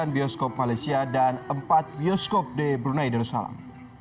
lima puluh sembilan bioskop malaysia dan empat bioskop di brunei darussalam